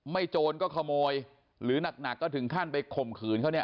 โจรก็ขโมยหรือหนักก็ถึงขั้นไปข่มขืนเขาเนี่ย